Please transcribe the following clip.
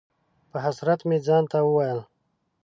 په حسرت مې ځان ته وویل: